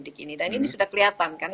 bikini dan ini sudah kelihatan